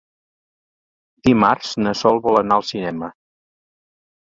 Dimarts na Sol vol anar al cinema.